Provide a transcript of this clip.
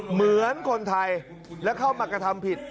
เหมือนคนไทยและเข้ามากระทำผิด